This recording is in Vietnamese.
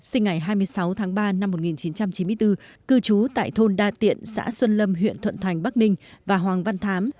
sinh ngày hai mươi sáu tháng ba năm một nghìn chín trăm chín mươi bốn cư trú tại thôn đa tiện xã xuân lâm huyện thuận thành bắc ninh và hoàng văn thám